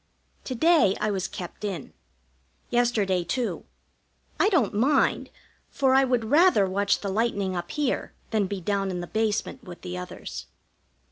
To day I was kept in. Yesterday, too. I don't mind, for I would rather watch the lightning up here than be down in the basement with the others.